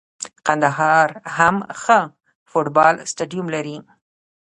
کندهار هم ښه فوټبال سټیډیم لري.